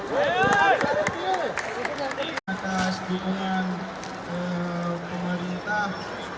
waalaikumsalam warahmatullahi wabarakatuh